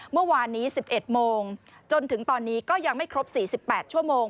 เมื่อวานนี้๑๑โมงจนถึงตอนนี้ก็ยังไม่ครบ๔๘ชั่วโมง